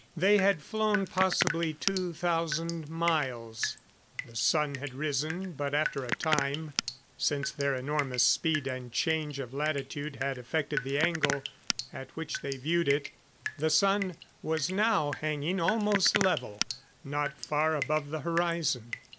They had flown possibly two thousand miles. The Sun had risen, but after a time since their enormous speed and change of latitude had affected the angle at which they viewed it the Sun now was hanging almost level, not far above the horizon.